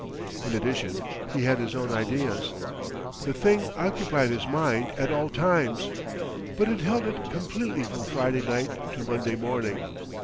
In addition he had his own ideas. The thing occupied his mind at all times, but it held it completely from Friday night to Monday morning.